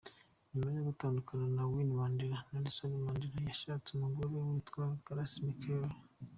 Nyuma yo gutandukana na Winnie Mandela, Nelson Mandela yashatse umugore witwa Graca Machel.